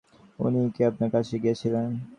উনিই কি আপনার কাছে গিয়েছিলেন?